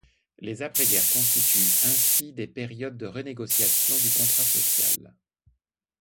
Les après-guerre constituent ainsi des périodes de renégociation du contrat social.